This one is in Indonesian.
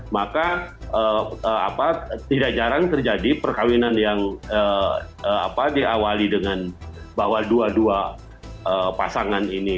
maka tidak jarang terjadi perkawinan yang diawali dengan bahwa dua dua pasangan ini